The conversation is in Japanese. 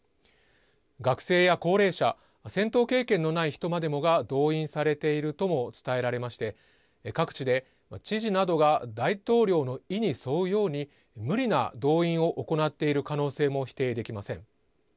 学生や高齢者戦闘経験のない人までもが動員されているとも伝えられまして各地で、知事などが大統領の意に沿うように無理な動員を行っている可能性も否定できません。